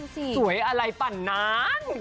สวยอะไรปั่นนาน